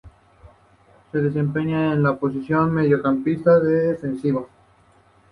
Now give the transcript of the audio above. Se desempeñaba en la posición de mediocampista defensivo.